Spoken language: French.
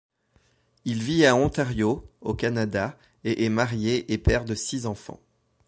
Il vit à Ontario, au Canada, et est marié et père de six enfants.